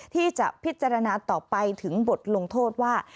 ที่จะพิจารณาต่อไปถึงบทลงโทษว่า